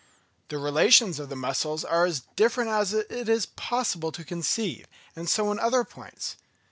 The relations of the muscles are as different as it is possible to conceive, and so in other points.